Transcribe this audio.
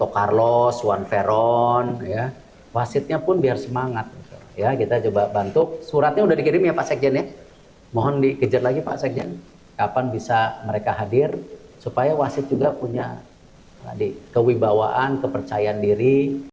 kewibawaan kepercayaan diri